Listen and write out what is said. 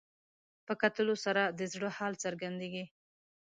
په کتلو سره د زړه حال څرګندېږي